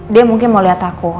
dia mungkin mau lihat aku